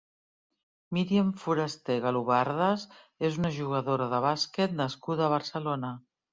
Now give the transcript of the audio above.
Miriam Forasté Galobardes és una jugadora de bàsquet nascuda a Barcelona.